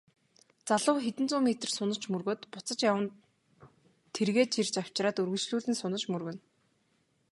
Залуу хэдэн зуун метр сунаж мөргөөд буцаж яван тэргээ чирч авчраад үргэлжлүүлэн сунаж мөргөнө.